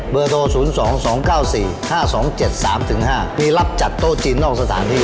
เบอร์โทร๐๒๒๙๔๕๒๗๓๕มีรับจัดโต๊ะจิ้นนอกสถานที่ด้วย